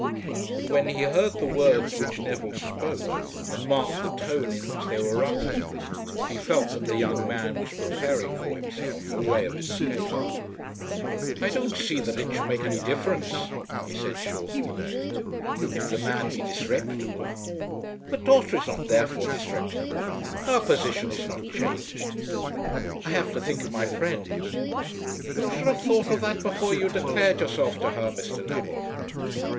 But when he heard the words which Neville spoke and marked the tone in which they were uttered he felt that the young man was preparing for himself a way of escape. "I don't see that it should make any difference," he said shortly. "If the man be disreputable, " "The daughter is not therefore disreputable. Her position is not changed." "I have to think of my friends." "You should have thought of that before you declared yourself to her, Mr. Neville."